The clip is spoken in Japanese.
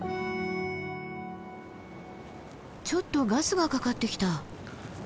ちょっとガスがかかってきた。